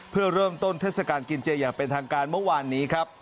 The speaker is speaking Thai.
เพื่อเริ่มต้นเทศกาลกินเจอย่างเป็นทางการเมื่อวานนี้ครับ